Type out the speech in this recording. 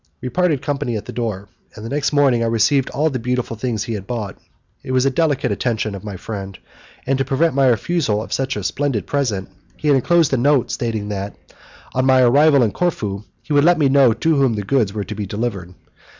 We parted company at the door, and the next morning I received all the beautiful things he had bought; it was a delicate attention of my friend, and to prevent my refusal of such a splendid present, he had enclosed a note stating that, on my arrival in Corfu, he would let me know to whom the goods were to be delivered.